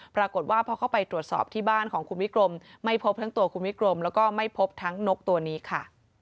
ปรากฏว่าพอเข้าไปตรวจสอบที่บ้านของคุณวิกรมไม่พบทั้งตัวคุณวิกรมแล้วก็ไม่พบทั้งนกตัวนี้ค่ะ